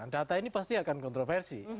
data ini pasti akan kontroversi